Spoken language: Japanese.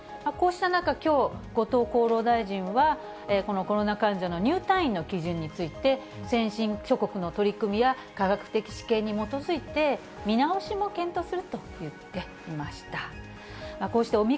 こうした中きょう、後藤厚労大臣は、このコロナ患者の入退院の基準について、先進諸国の取り組みや科学的知見に基づいて、見直しも検討すると言っていました。